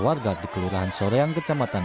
warga di kelurahan soreang kecamatan